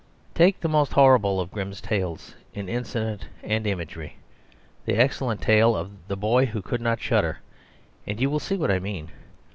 Take the most horrible of Grimm's tales in incident and imagery, the excellent tale of the "Boy who Could not Shudder," and you will see what I mean.